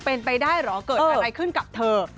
เป็นไปได้เหรอเกิดอะไรขึ้นกับเธอ